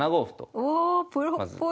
おプロっぽい。